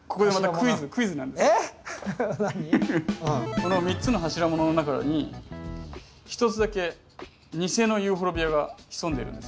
この３つの柱物の中に一つだけ偽のユーフォルビアが潜んでいるんです。